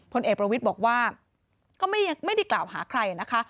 พลเอกประวิทย์บอกว่าก็ไม่ได้กล่าวหาใครนะคะ